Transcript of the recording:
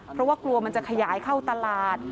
เพราะว่ากลัวมันจะขยายเข้าตลาด